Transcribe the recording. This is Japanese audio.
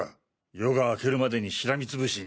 夜が明けるまでにしらみつぶしに。